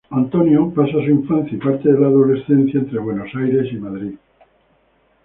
Antonio pasa su infancia y parte de la adolescencia entre Buenos Aires y Madrid.